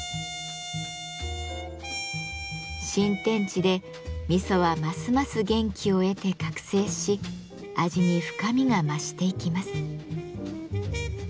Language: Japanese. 新天地で味噌はますます元気を得て覚醒し味に深みが増していきます。